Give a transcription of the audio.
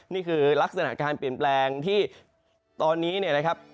นี่คือลักษณะการเปลี่ยนแปลงที่ตอนนี้เนี่ยนะครับ